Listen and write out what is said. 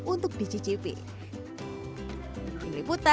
untuk menikmati menu steak khas nusantara